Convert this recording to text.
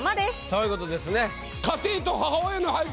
そういう事ですね。